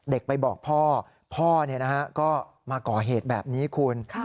เด็กไปบอกพ่อพ่อก็มาก่อเหตุแบบนี้คุณ